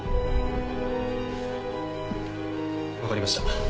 わかりました。